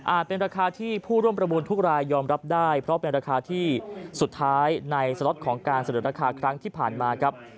เป็นราคาที่ผู้ร่วมประมูลทุกรายยอมรับได้เพราะเป็นราคาที่สุดท้ายในสล็อตของการเสนอราคาครั้งที่ผ่านมาครับ